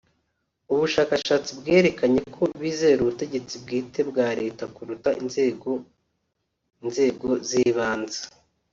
ubushakashatsi bwerekanye ko bizera ubutegetsi bwite bwa Leta kuruta inzego inzego z’ibanze